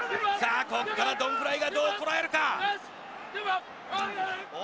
ここからドン・フライがどうこらえるか。